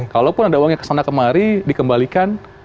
kalaupun ada uang yang kesana kemari dikembalikan